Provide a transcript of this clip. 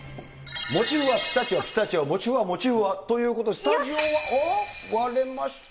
もちふわ、ピスタチオ、ピスタチオ、もちふわ、もちふわということで、スタジオは割れました。